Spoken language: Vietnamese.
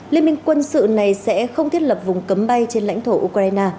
liên minh quân sự này sẽ không thiết lập vùng cấm bay trên lãnh thổ ukraine